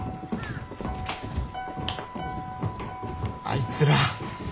あいつら。